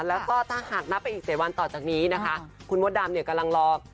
แล้วก็ถ้าหากนับไปอีก๗วันต่อจากนี้นะคะคุณมดดำเนี่ยกำลังรอ